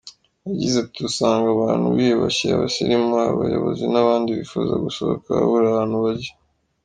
Yagize ati “Usanga abantu biyubashye, abasirimu, abayobozi n’abandi bifuza gusohoka babura ahantu bajya.